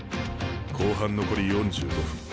後半残り４５分。